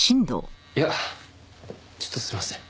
いやちょっとすみません。